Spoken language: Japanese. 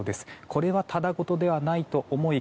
これはただ事ではないと思い